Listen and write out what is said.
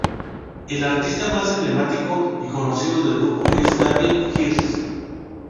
El artista más emblemático y conocido del grupo es Damien Hirst.